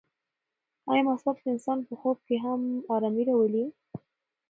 ایا مسواک د انسان په خوب کې هم ارامي راولي؟